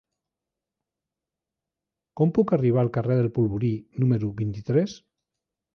Com puc arribar al carrer del Polvorí número vint-i-tres?